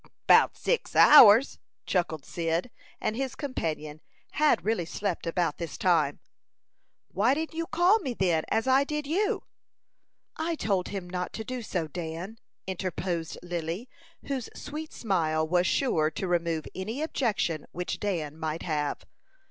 "Bout six hours," chuckled Cyd; and his companion had really slept about this time. "Why didn't you call me then, as I did you?" "I told him not to do so, Dan," interposed Lily, whose sweet smile was sure to remove any objection which Dan might have.